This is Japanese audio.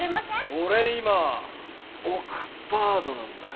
俺今オクパードなんだよ